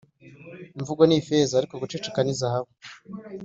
imvugo ni ifeza ariko guceceka ni zahabu.